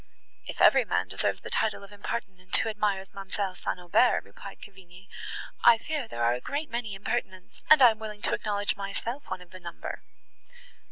"If every man deserves the title of impertinent, who admires ma'amselle St. Aubert," replied Cavigni, "I fear there are a great many impertinents, and I am willing to acknowledge myself one of the number."